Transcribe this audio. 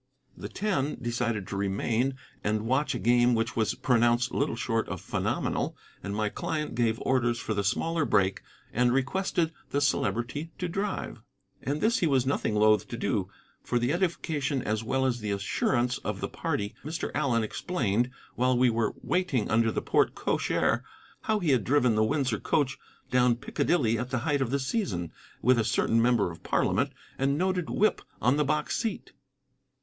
The Ten decided to remain and watch a game which was pronounced little short of phenomenal, and my client gave orders for the smaller brake and requested the Celebrity to drive. And this he was nothing loth to do. For the edification as well as the assurance of the party Mr. Allen explained, while we were waiting under the porte cochere, how he had driven the Windsor coach down Piccadilly at the height of the season, with a certain member of Parliament and noted whip on the box seat.